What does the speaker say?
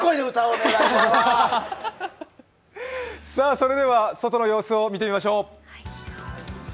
それでは外の様子を見てみましょう。